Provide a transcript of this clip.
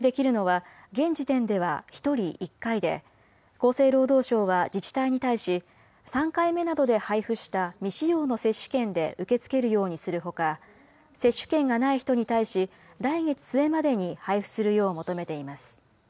接種できるのは現時点では１人１回で厚生労働省は、自治体に対し３回目などで配布した未使用の接種券で受け付けるようにするほか接種券がない人に対し来月末までに配布するよう求めています。